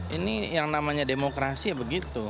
ini yang namanya demokrasi ya begitu